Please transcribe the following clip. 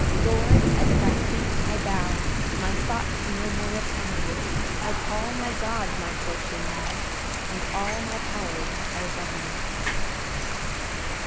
10 Lord, at thy feet I bow, My thoughts no more repine; I call my God my portion now, And all my powers are thine.